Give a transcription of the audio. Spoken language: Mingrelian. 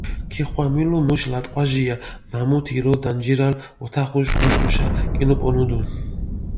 ქიხვამილუ მუშ ლატყვაჟია, ნამუთ ირო დანჯირალ ოთახუშ კუნთხუშა კინუპონუდუნ.